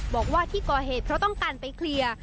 บอกว่าที่ก่อเหตุเพราะต้องการไปเคลียร์